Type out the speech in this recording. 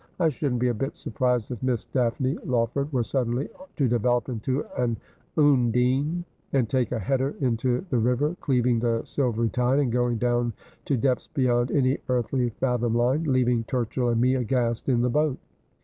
I shouldn't be a bit surprised if Miss Dapne Lawford were suddenly to develop into an Undine, and take a header into the river, cleaving the silvery tide, and going down to depths beyond any earthly fathom line, leaving Turchill and me aghast in the boat.'